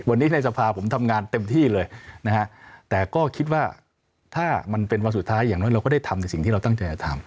วันนี้ในสภาผมทำงานเต็มที่เลยนะฮะแต่ก็คิดว่าถ้ามันเป็นวันสุดท้ายอย่างน้อยเราก็ได้ทำในสิ่งที่เราตั้งใจจะทำ